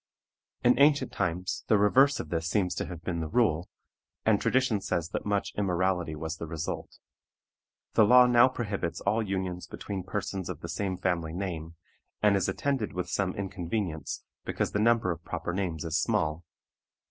In ancient times the reverse of this seems to have been the rule, and tradition says that much immorality was the result. The law now prohibits all unions between persons of the same family name, and is attended with some inconvenience, because the number of proper names is small.